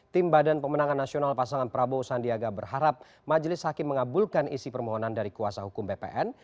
tim badan pemenangan nasional pasangan prabowo sandiaga berharap majelis hakim mengabulkan isi permohonan dari kuasa hukum bpn